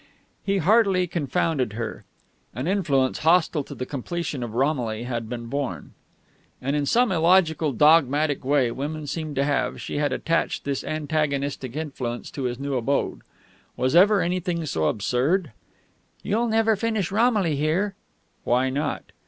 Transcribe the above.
He heartily confounded her. An influence hostile to the completion of Romilly had been born. And in some illogical, dogmatic way women seem to have, she had attached this antagonistic influence to his new abode. Was ever anything so absurd! "You'll never finish Romilly here." ... Why not?